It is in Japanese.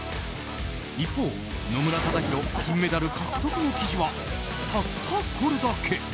一方、野村忠宏金メダル獲得の記事はたったこれだけ。